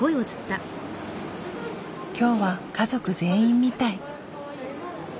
今日は家族全員みたい。